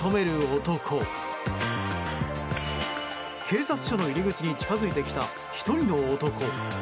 警察署の入り口に近づいてきた１人の男。